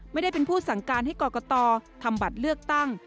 ไม่ได้เป็นผู้สั่งการให้กรกตทำบัตรเลือกตั้ง